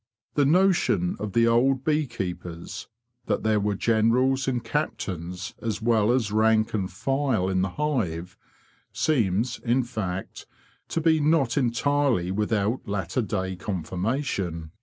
The notion of the old bee keepers—that there were generals and captains as well as rank and file in the hive—seems, in fact, to be not entirely without latter day confirmation.